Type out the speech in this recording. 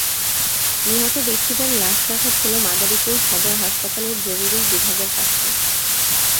নিহত ব্যক্তিদের লাশ রাখা ছিল মাদারীপুর সদর হাসপাতালের জরুরি বিভাগের পাশে।